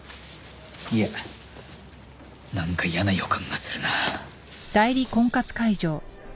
いやなんか嫌な予感がするな。